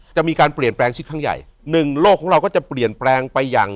จะมีการเปลี่ยนแปลงชิดครั้งใหญ่หนึ่งโลกของเราก็จะเปลี่ยนแปลงไปอย่าง